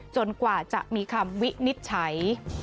กว่าจะมีคำวินิจฉัย